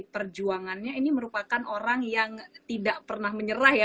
perjuangannya ini merupakan orang yang tidak pernah menyerah ya